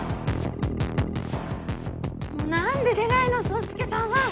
なんで出ないの宗介さんは！